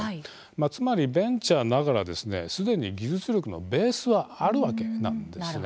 つまり、ベンチャーながらすでに技術力のベースはあるわけなんです。